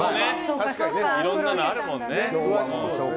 確かにねいろんなのあるもんね。